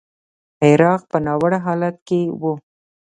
عراق په ناوړه حالت کې و.